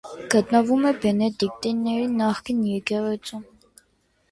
Գտնվում է բենեդիկտինների նախկին եկեղեցում։